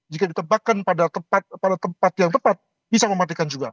jika ditebakkan pada tempat yang tepat bisa mematikan juga